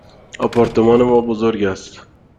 آپارتمان ما بزرگ است.